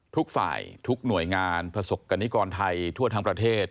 ทุกฝ่ายทุกหน่วยงานประสบกรณิกรไทยทั่วทั้งประเทศ